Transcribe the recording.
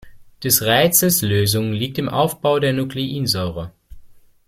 Des Rätsels Lösung liegt im Aufbau der Nukleinsäure.